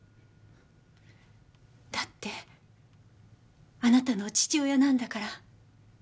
だってあなたの父親なんだから。